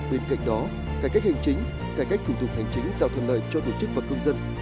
bên cạnh đó cải cách hành chính cải cách thủ tục hành chính tạo thuận lợi cho tổ chức và công dân